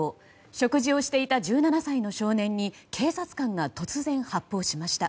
食事をしていた１７歳の少年に警察官が突然発砲しました。